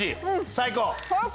最高？